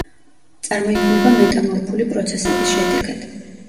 წარმოიქმნება მეტამორფული პროცესების შედეგად.